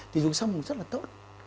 thì dùng sâm cũng rất là tốt